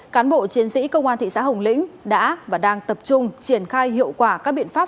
cán bộ chiến sĩ công an thị xã hồng lĩnh đã và đang tập trung triển khai hiệu quả các biện pháp